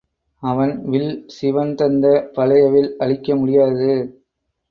அவன் வில் சிவன் தந்த பழைய வில் அழிக்க முடியாதது.